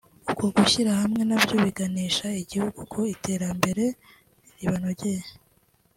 uko gushyira hamwe nabyo biganisha igihugu ku iterambere ribanogera